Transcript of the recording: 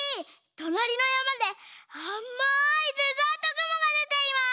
となりのやまであまいデザートぐもがでています！